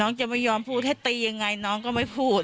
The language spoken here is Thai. จะไม่ยอมพูดถ้าตียังไงน้องก็ไม่พูด